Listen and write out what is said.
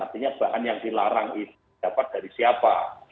artinya bahan yang dilarang itu dapat dari siapa